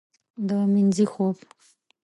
د مینځې خوب